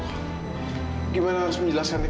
gimana harus menjelaskan ini